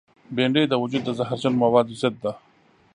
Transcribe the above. بېنډۍ د وجود د زهرجنو موادو ضد ده